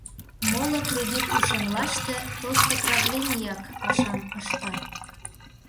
Моло кредит ушемлаште тошто правленияк пашам ышта.